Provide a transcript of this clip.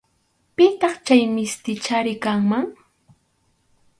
Pitaq chay mistichari kanman.